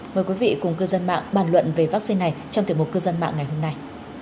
mời quý vị cùng cư dân mạng bàn luận về vaccine này trong tiểu mục cư dân mạng ngày hôm nay